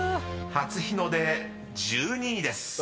［初日の出１２位です］